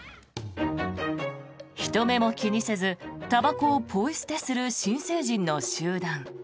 人目も気にせずたばこをポイ捨てする新成人の集団。